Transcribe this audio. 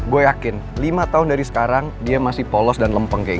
gue yakin lima tahun dari sekarang dia masih polos dan lempeng kayak gitu